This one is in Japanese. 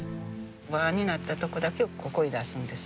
輪になったとこだけをここへ出すんです。